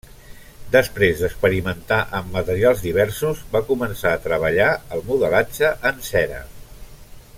Després d'experimentar amb materials diversos, va començar a treballar el modelatge en cera.